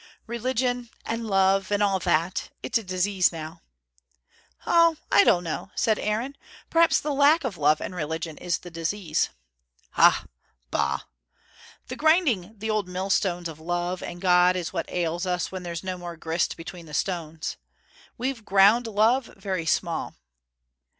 "Religion and love and all that. It's a disease now." "Oh, I don't know," said Aaron. "Perhaps the lack of love and religion is the disease." "Ah bah! The grinding the old millstones of love and God is what ails us, when there's no more grist between the stones. We've ground love very small.